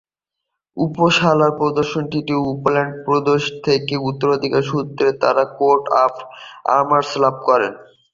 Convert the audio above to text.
Uppsala প্রদেশটি Uppland প্রদেশ থেকে উত্তরাধিকারসূত্রে তার কোট অফ আর্মস লাভ করে।